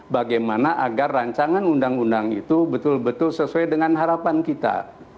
bagaimana agar rancangan undang undang itu betul betul sesuai dengan harapan kita